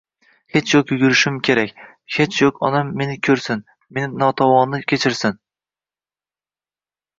Hech yoʻq ulgurishim kerak, hech yoʻq onam meni koʻrsin, men notavonni kechirsin”.